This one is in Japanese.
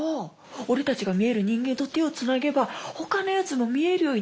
俺たちが見える人間と手をつなげば他のやつも見えるようになるんだって。